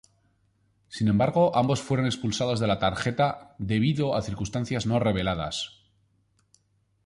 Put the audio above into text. Sin embargo, ambos fueron expulsados de la tarjeta debido a circunstancias no reveladas.